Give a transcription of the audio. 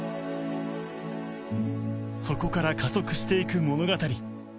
そこから加速していく物語